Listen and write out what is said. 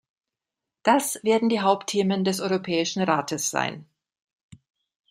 Das werden die Hauptthemen des Europäischen Rates sein.